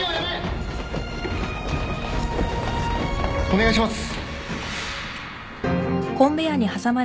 お願いします。